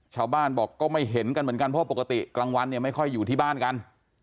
ชาวบ้านบอกก็ไม่เห็นกันเหมือนกันเพราะปกติกลางวันเนี่ยไม่ค่อยอยู่ที่บ้านกัน